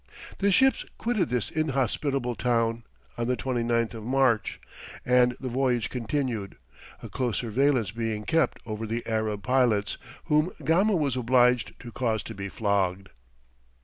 The ships quitted this inhospitable town, on the 29th of March, and the voyage continued, a close surveillance being kept over the Arab pilots, whom Gama was obliged to cause to be flogged.